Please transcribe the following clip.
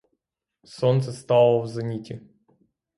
Сонце стало в зеніті.